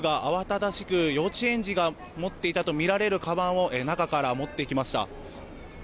動物園のスタッフが慌ただしく幼稚園児が持っていたとみられるかばんを中から持ってきました。